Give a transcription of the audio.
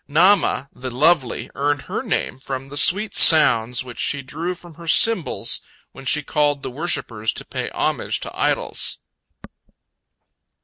Naamah, "the lovely," earned her name from the sweet sounds which she drew from her cymbals when she called the worshippers to pay homage to idols.